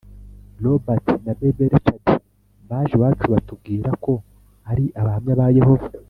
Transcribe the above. Robert na baby richards baje iwacu batubwira ko ari abahamya ba yehova